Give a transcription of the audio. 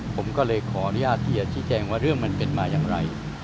ผมก็เลยขออนุญาตที่จะชี้แจงว่าเรื่องมันเป็นมาอย่างไร